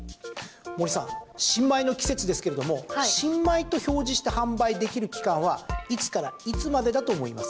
森さん、新米の季節ですけれども新米と表示して販売できる期間はいつからいつまでだと思います？